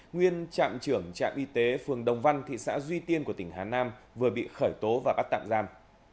nguyên trạm trưởng trạm y tế phường đồng văn thị xã duy tiên của tỉnh hà nam vừa bị khởi tố và bắt tạm giam